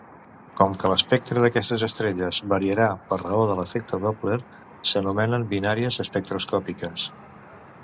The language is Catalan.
Com que l'espectre d'aquestes estrelles variarà per raó de l'efecte Doppler, s'anomenen binàries espectroscòpiques.